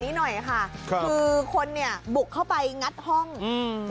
นี้หน่อยค่ะครับคือคนเนี้ยบุกเข้าไปงัดห้องอืม